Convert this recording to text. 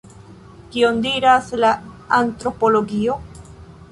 Kion diras la antropologio?